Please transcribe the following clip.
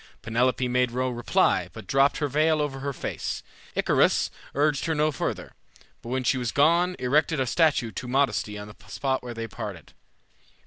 Penelope made no reply, but dropped her veil over her face. Icarius urged her no further, but when she was gone erected a statue to Modesty on the spot where they parted.